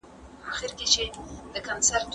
کله چي رسول الله راغلی، ما قصه ورته وکړله.